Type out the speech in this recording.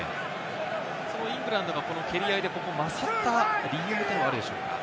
そのイングランドが蹴り合いで、勝った理由というのはあるでしょうか？